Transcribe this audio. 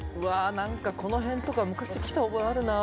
なんかこの辺とか昔来た覚えあるなあ。